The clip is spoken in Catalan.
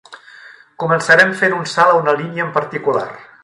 Començarem fent un salt a una línia en particular.